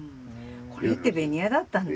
これってベニヤだったんだ。